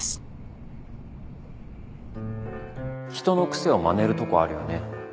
人の癖をまねるとこあるよね